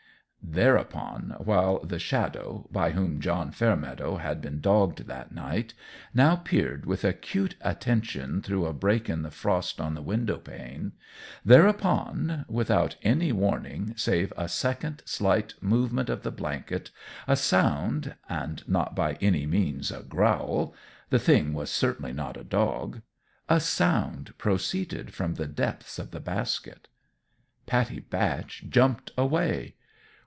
Thereupon while the Shadow, by whom John Fairmeadow had been dogged that night, now peered with acute attention through a break in the frost on the window pane thereupon, without any warning save a second slight movement of the blanket, a sound and not by any means a growl the thing was certainly not a dog a sound proceeded from the depths of the basket. Pattie Batch jumped away.